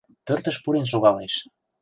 Пӧртыш пурен шогалеш.